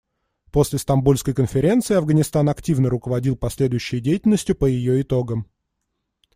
После Стамбульской конференции Афганистан активно руководил последующей деятельностью по ее итогам.